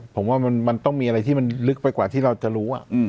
ผมว่ามันต้องมีอะไรที่มันลึกไปกว่าที่เราจะรู้